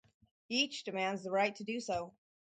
Each demands the right to do so.